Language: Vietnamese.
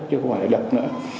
chứ không phải là độc nữa